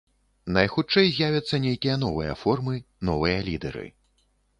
Найхутчэй, з'явяцца нейкія новыя формы, новыя лідэры.